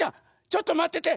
ちょっとまってて！